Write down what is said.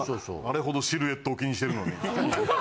あれほどシルエットを気にしてるのに。